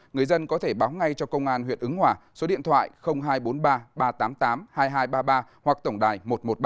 người dân có thể báo ngay cho công an huyện ứng hòa số điện thoại hai trăm bốn mươi ba ba trăm tám mươi tám hai nghìn hai trăm ba mươi ba hoặc tổng đài một trăm một mươi ba